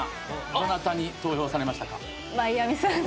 どなたに投票されましたか？